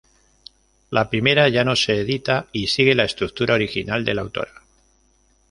La primera ya no se edita y sigue la estructura original de la autora.